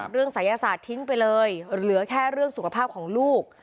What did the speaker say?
ศัยศาสตร์ทิ้งไปเลยเหลือแค่เรื่องสุขภาพของลูก